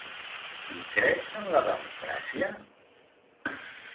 Hi crec en la democràcia?